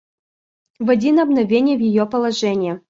Войди на мгновение в ее положение.